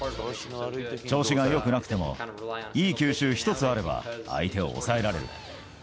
調子がよくなくても、いい球種一つあれば相手を抑えられる。